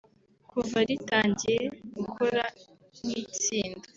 Kuva ritangiye gukora nk’itsinda